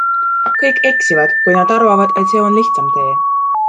Kõik eksivad, kui nad arvavad, et see on lihtsam tee.